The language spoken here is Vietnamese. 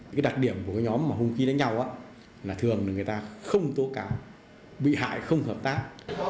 cái đặc điểm của cái nhóm mà hôm ký đánh nhau là thường người ta không tố cáo bị hại không hợp tác